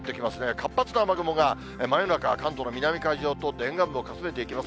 活発な雨雲が真夜中、関東の南海上を通って、沿岸部をかすめていきます。